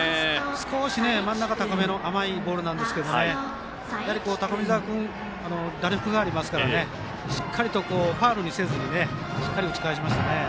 少し真ん中高めの甘いボールでしたが高見澤君、打力がありますからしっかりとファウルにせずに打ち返しましたね。